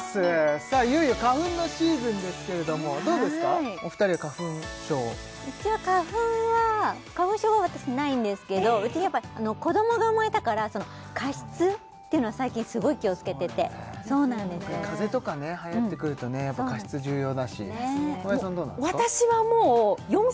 いよいよ花粉のシーズンですけれどもどうですかお二人は花粉症うちは花粉は花粉症は私ないんですけどうちやっぱ子どもが生まれたから加湿っていうのは最近すごい気をつけてて風邪とかねはやってくるとねやっぱ加湿重要だし小林さんどうなんですか？